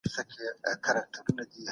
د قصاص ګټي په ټولنه کي ليدل کېږي.